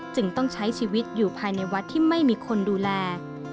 จึงต้องใช้ชีวิตอยู่ภายในวัดที่ไม่มีคนดูแล